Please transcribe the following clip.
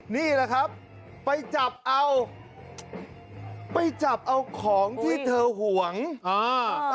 นี่แหละครับไปจับเอาไปจับเอาของที่เธอห่วงอ่า